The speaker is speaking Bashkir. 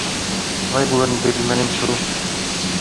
Былай булырын белмәнем шул.